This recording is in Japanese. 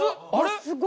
あれ？